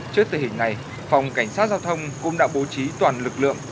trước tình hình này phòng cảnh sát giao thông cũng đã bố trí toàn lực lượng